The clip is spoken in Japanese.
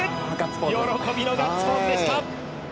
喜びのガッツポーズでした！